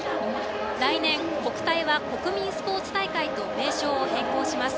来年、国体は国民スポーツ大会と名称を変更します。